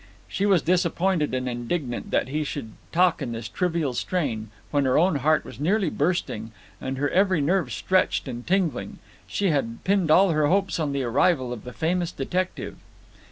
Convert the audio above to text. She was disappointed and indignant that he should talk in this trivial strain, when her own heart was nearly bursting, and her every nerve stretched and tingling. She had pinned all her hopes on the arrival of the famous detective.